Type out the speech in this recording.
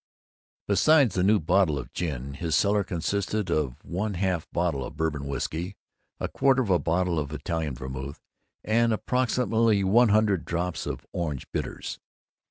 Besides the new bottle of gin, his cellar consisted of one half bottle of Bourbon whisky, a quarter of a bottle of Italian vermouth, and approximately one hundred drops of orange bitters.